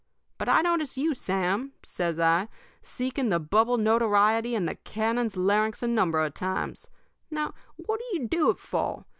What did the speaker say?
But I've noticed you, Sam,' says I, 'seeking the bubble notoriety in the cannon's larynx a number of times. Now, what do you do it for?